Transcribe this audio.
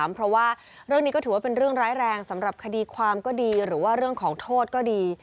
เพราะว่าเรื่องนี้ก็ถือว่าเป็นเรื่องร้ายแรงสำหรับคดีความก็ดีหรือว่าเรื่องของโทษก็ดี